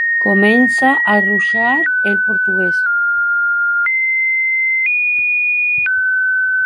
Comença a ruixar el portuguès.